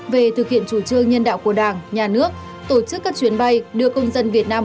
về thực hiện chủ trương nhân đạo của đảng nhà nước tổ chức các chuyến bay đưa công dân việt nam